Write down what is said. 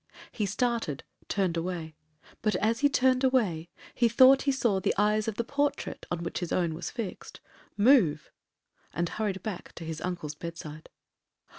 He started, turned away; but, as he turned away, he thought he saw the eyes of the portrait, on which his own was fixed, move, and hurried back to his uncle's bedside.